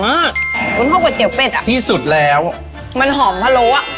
เส้นบะหมี่อร่อยมากมันเข้ากับเตี๋ยวเป็ดอะที่สุดแล้วมันหอมพะโล้อะ